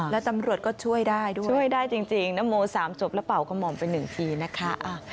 แล้วตำรวจก็ช่วยได้ด้วยช่วยได้จริงนโม๓จบแล้วเป่ากระหม่อมไป๑ทีนะคะ